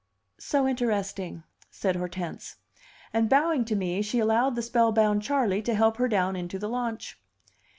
"So interesting!" said Hortense; and bowing to me, she allowed the spellbound Charley to help her down into the launch.